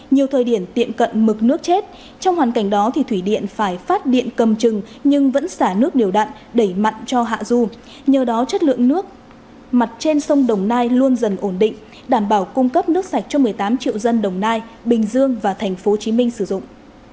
nhiều thời điểm tiệm cận mực nước chết trong hoàn cảnh đó thì thủy điện phải phát điện cầm chừng nhưng vẫn xả nước điều đạn đẩy mặn cho hạ du nhờ đó chất lượng nước mặt trên sông đồng nai luôn dần ổn định đảm bảo cung cấp nước sạch cho một mươi tám triệu dân đồng nai bình dương và tp hcm sử dụng